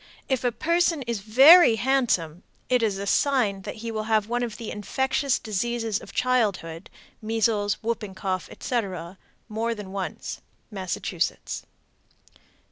If a person is very handsome, it is a sign that he will have one of the infectious diseases of childhood (measles, whooping cough, etc.) more than once. _Massachusetts.